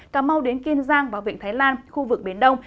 cà mau đến kiên giang và vịnh thái lan khu vực biển đông